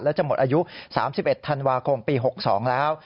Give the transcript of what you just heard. และจะหมดอายุ๓๑ธันวาคมปี๖๒แล้ว